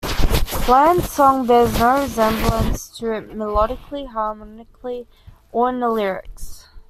Bland's song bears no rememblace to it melodically, harmonically, or in the lyrics.